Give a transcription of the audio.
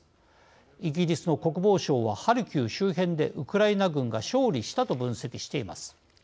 イギリスの国防省はハルキウ周辺でウクライナ軍が勝利したと分析しています。